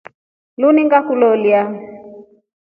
Linu ngakuloleya.